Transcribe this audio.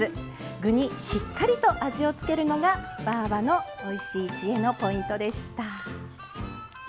具にしっかりと味を付けるのがばぁばのおいしい知恵のポイントでした。